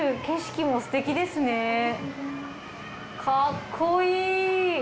かっこいい！